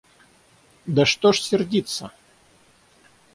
Да что ж сердиться!